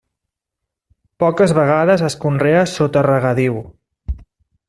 Poques vegades es conrea sota regadiu.